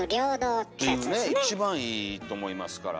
っていうね一番いいと思いますから。